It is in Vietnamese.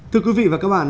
thưa quý vị và các bạn